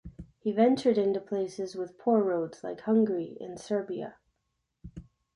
He ventured into places with poor roads like Hungary and Serbia.